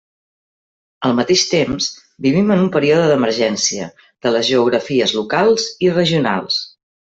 Al mateix temps, vivim en un període d'emergència de les geografies locals i regionals.